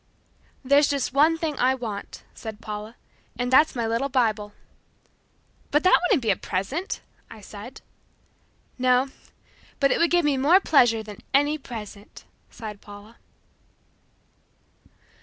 "There's just one thing I want," said Paula, "and that's my little Bible." "But that wouldn't be a present," I said. "No, but it would give me more pleasure than any present," sighed Paula.